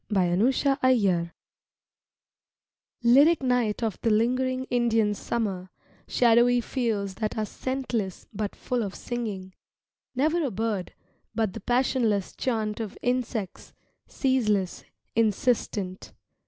II INDIAN SUMMER LYRIC night of the lingering Indian Summer, Shadowy fields that are scentless but full of singing, Never a bird, but the passionless chant of insects, Ceaseless, insistent.